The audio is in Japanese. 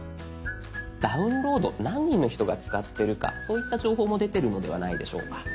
「ダウンロード」何人の人が使ってるかそういった情報も出てるのではないでしょうか。